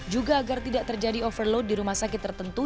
juga agar tidak terjadi overload di rumah sakit tertentu